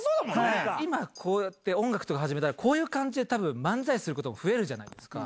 今、こうやって音楽とか始めたら、こういう感じでたぶん、漫才することが増えるじゃないですか。